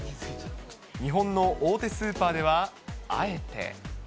日本の大手スーパーでは、あえて。